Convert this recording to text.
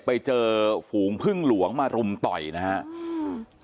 ไปเจอฝูงพึ่งหลวงมารุมต่อยนะครับ